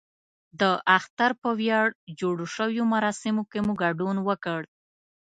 د اختر په ویاړ جوړو شویو مراسمو کې مو ګډون وکړ.